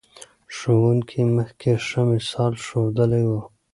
ښوونکي مخکې ښه مثال ښودلی و.